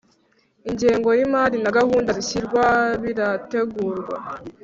Ingengo y’ imari na gahunda zishyirwa birategurwa